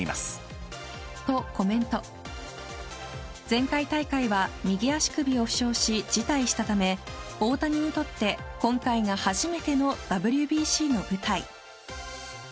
前回大会は右足首を負傷し辞退したため大谷にとって、今回が初めてのＷＢＣの舞台。